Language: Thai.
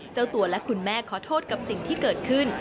เจ้าตัวและคุณแม่ขอโทษกับสิ่งที่เกิดขึ้น